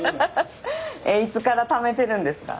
いつからためてるんですか？